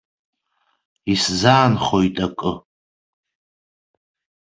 Исзаанхоит акы.